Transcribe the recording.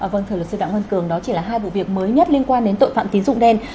vâng thưa luật sư đảng quân cường đó chỉ là hai vụ việc mới nhất liên quan đến tội phạm tiến dụng đen